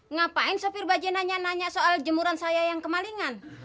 ngapain sopir bajian nanya nanya soal jemuran saya yang kemalingan